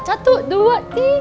satu dua tiga